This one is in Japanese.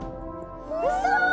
うそ！